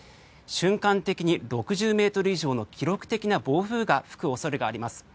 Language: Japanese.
瞬間的に６０ｍ以上の記録的な暴風が吹く恐れがあります。